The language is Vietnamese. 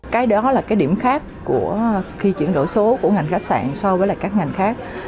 cái đó là cái điểm khác của khi chuyển đổi số của ngành khách sạn so với lại các ngành khác